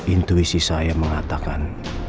intuisi saya mengatakan